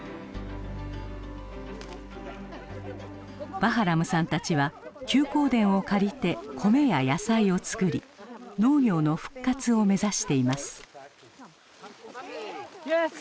バハラムさんたちは休耕田を借りて米や野菜を作り農業の復活を目指しています。